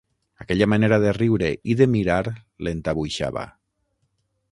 Aquella manera de riure i de mirar l'entabuixava.